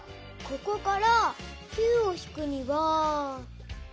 ここから９をひくには。